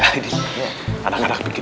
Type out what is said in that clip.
ya allah salamualaikum wa rahmatullah